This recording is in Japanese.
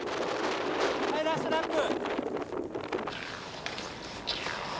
はいラストラップ！